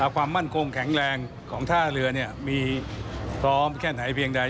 ความมั่นกลมแข็งแรงของท่าเรือมีทรมานไปแค่ไหนเพียงได้